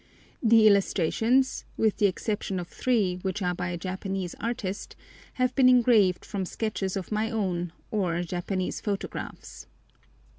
The illustrations, with the exception of three, which are by a Japanese artist, have been engraved from sketches of my own or Japanese photographs.